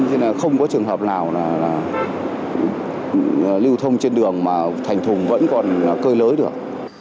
nên là không có trường hợp nào là lưu thông trên đường mà thành thùng vẫn còn cơi lới được